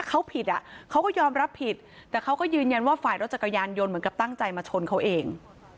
เขาผิดอ่ะเขาก็ยอมรับผิดแต่เขาก็ยืนยันว่าฝ่ายรถจักรยานยนต์เหมือนกับตั้งใจมาชนเขาเอง